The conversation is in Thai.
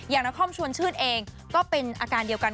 นครชวนชื่นเองก็เป็นอาการเดียวกัน